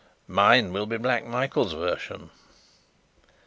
"Mine will be Black Michael's version."